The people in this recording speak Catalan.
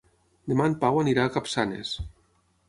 Demà en Pau anirà a Capçanes.